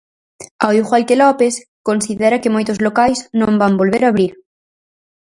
Ao igual que Lopes, considera que moitos locais non van volver abrir.